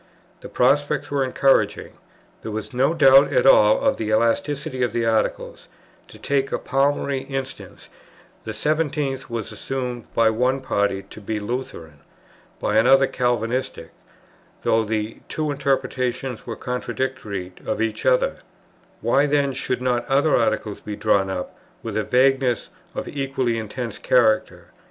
The prospect was encouraging; there was no doubt at all of the elasticity of the Articles: to take a palmary instance, the seventeenth was assumed by one party to be Lutheran, by another Calvinistic, though the two interpretations were contradictory of each other; why then should not other Articles be drawn up with a vagueness of an equally intense character?